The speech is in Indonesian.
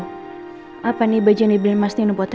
baju baru apa nih baju yang dibeli mas nino buat rena